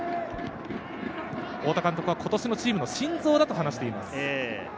太田監督は今年のチームの心臓だと話しています。